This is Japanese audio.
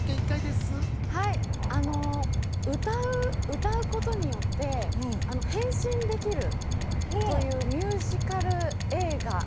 歌うことによって変身できるというミュージカル映画。